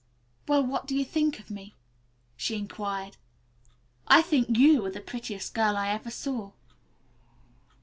"Well, what do you think of me?" she inquired. "I think you are the prettiest girl I ever saw."